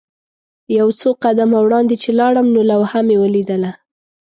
یو څو قدمه وړاندې چې لاړم نو لوحه مې ولیدله.